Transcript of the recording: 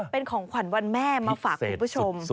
เป็นของขวัญวันแม่มาฝากคุณผู้ชม